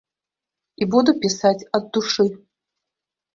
І буду пісаць ад душы.